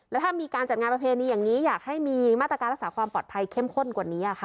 แล้วถ้ามีการจัดงานประเพณีอย่างนี้อยากให้มีมาตรการรักษาความปลอดภัยเข้มข้นกว่านี้ค่ะ